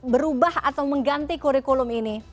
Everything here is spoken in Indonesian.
berubah atau mengganti kurikulum ini